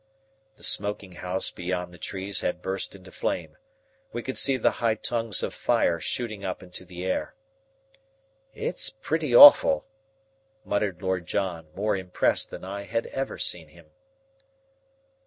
The smoking house beyond the trees had burst into flames. We could see the high tongues of fire shooting up into the air. "It's pretty awful," muttered Lord John, more impressed than I had ever seen him.